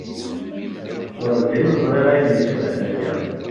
Werǧin ẓriɣ ayen yecban aya.